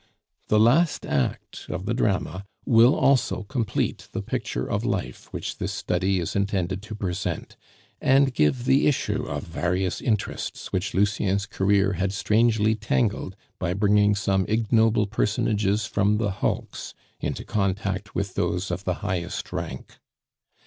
The last act of the drama will also complete the picture of life which this Study is intended to present, and give the issue of various interests which Lucien's career had strangely tangled by bringing some ignoble personages from the hulks into contact with those of the highest rank.